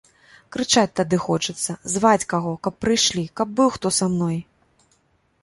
Крычаць тады хочацца, зваць каго, каб прыйшлі, каб быў хто са мной.